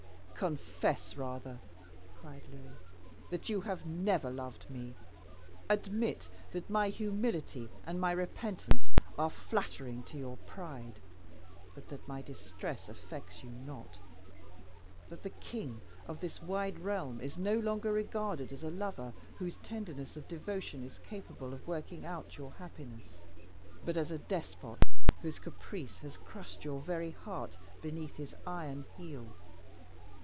"Confess, rather," cried Louis, "that you have never loved me; admit that my humility and my repentance are flattering to your pride, but that my distress affects you not; that the king of this wide realm is no longer regarded as a lover whose tenderness of devotion is capable of working out your happiness, but as a despot whose caprice has crushed your very heart beneath his iron heel.